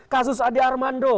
kasus adi armando